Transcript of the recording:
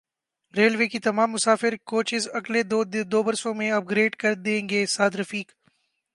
railway کی تمام مسافر کوچز اگلے دو برسوں میں اپ گریڈ کر دیں گے سعد رفیق